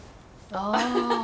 ああ！